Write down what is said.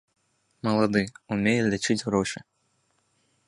Малады, умее лічыць грошы.